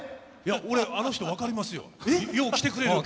俺、あの人、分かりますよ。